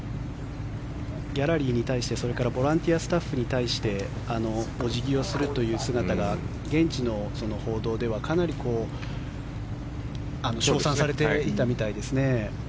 ギャラリーに対して、それからボランティアスタッフに対してお辞儀をするという姿が現地の報道ではかなり称賛されていたみたいですね。